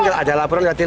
karena ada laporan